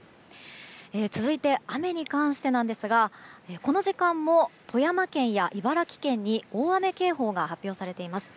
続いて、雨に関してなんですがこの時間も富山県や茨城県に大雨警報が発表されています。